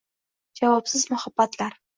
javobsiz muhabbatlar